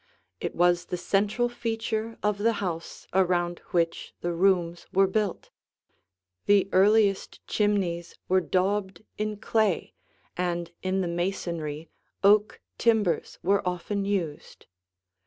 It was the central feature of the house, around which the rooms were built. The earliest chimneys were daubed in clay, and in the masonry oak timbers were often used.